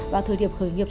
và thời điểm khởi nghiệp